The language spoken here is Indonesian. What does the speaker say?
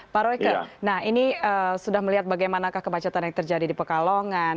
pak royke nah ini sudah melihat bagaimana kemacetan yang terjadi di pekalongan